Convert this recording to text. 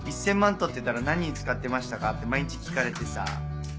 取ってたら何に使ってましたか？」ってって毎日聞かれてさぁ。